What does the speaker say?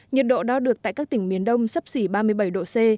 nhiệt độ đo được tại các tỉnh miền đông sấp xỉ ba mươi bảy độ c